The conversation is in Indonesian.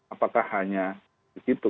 apakah hanya begitu